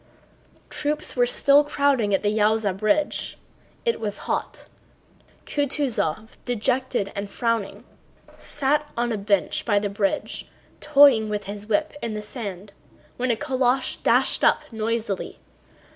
Troops were still crowding at the Yaúza bridge. It was hot. Kutúzov, dejected and frowning, sat on a bench by the bridge toying with his whip in the sand when a calèche dashed up noisily.